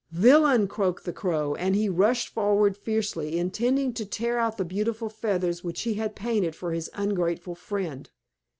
"Villain!" croaked the Crow, and he rushed forward fiercely, intending to tear out the beautiful feathers which he had painted for his ungrateful friend.